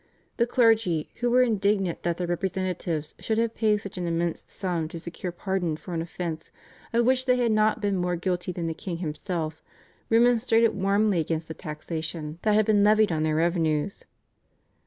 The clergy, who were indignant that their representatives should have paid such an immense sum to secure pardon for an offence of which they had not been more guilty than the king himself, remonstrated warmly against the taxation that had been levied on their revenues.